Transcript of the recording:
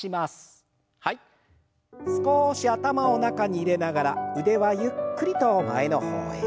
少し頭を中に入れながら腕はゆっくりと前の方へ。